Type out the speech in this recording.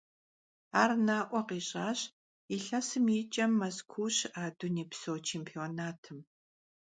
Ar na'ue khiş'aş yilhesım yi ç'euxım Mezkuu şı'a dunêypso çêmpionatım.